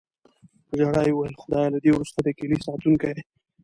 په ژړا یې وویل: "خدایه، له دې وروسته د کیلي ساتونکی یې".